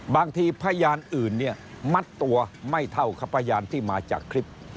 พยานอื่นเนี่ยมัดตัวไม่เท่ากับพยานที่มาจากคลิป